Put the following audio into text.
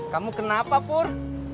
kamu kenapa pur